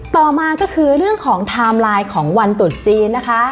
ต่อมาก็คือเรื่องของของวันตุ๊ดจีนนะคะ